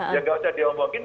ya nggak usah diomongin